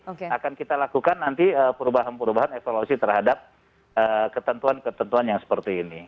akan kita lakukan nanti perubahan perubahan evaluasi terhadap ketentuan ketentuan yang seperti ini